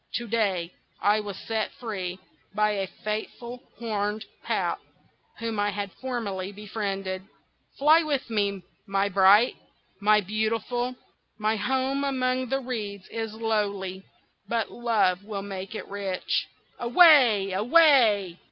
To day I was set free by a faithful Horned Pout, whom I had formerly befriended. Fly with me, my bright, my beautiful! My home among the reeds is lowly, but love will make it rich. Away! away!"